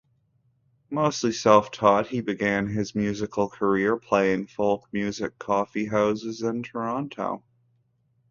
Mostly self-taught, he began his musical career playing folk music coffee houses in Toronto.